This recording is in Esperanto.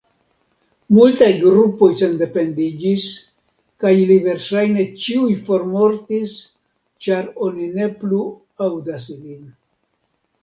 Multaj grupoj sendependiĝis, kaj ili verŝajne ĉiuj formortis ĉar oni ne plu aŭdas ilin.